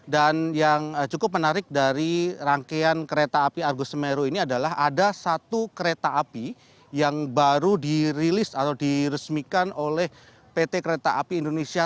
dan yang cukup menarik dari rangkaian kereta api argo semeru ini adalah ada satu kereta api yang baru dirilis atau diresmikan oleh pt kereta api indonesia